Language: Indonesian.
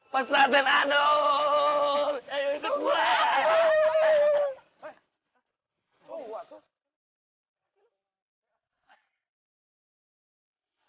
pasar dan adol